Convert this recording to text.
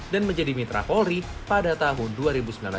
dan menjadi mitra polri pada tahun